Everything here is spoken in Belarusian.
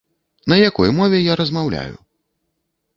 На якой мове я размаўляю?